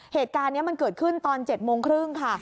เหตุการณ์นี้มันเกิดขึ้นตอน๗โมงครึ่งค่ะ